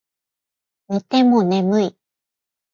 寝ても眠い